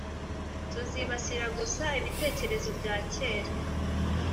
tuzibasira gusa ibitekerezo bya cyera,